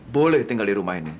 boleh tinggal di rumah ini